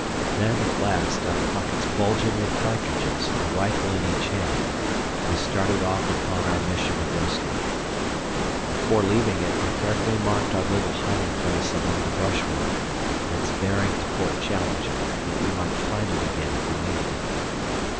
Then, at last, our pockets bulging with cartridges and a rifle in each hand, we started off upon our mission of rescue. Before leaving it we carefully marked our little hiding place among the brush wood and its bearing to Fort Challenger, that we might find it again if we needed it.